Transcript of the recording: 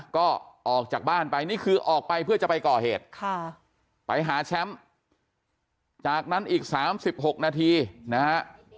ก็ออกจากบ้านไปนี่คือออกไปเพื่อจะไปก่อเหตุไปหาแชมป์จากนั้นอีก๓๖นาทีนะฮะ